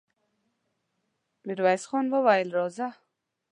ميرويس خان وويل: راځه!